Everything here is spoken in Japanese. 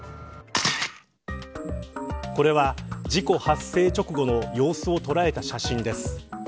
これは事故発生直後の様子をとらえた写真です。